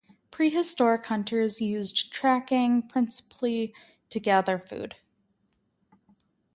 Prehistoric hunters used tracking principally to gather food.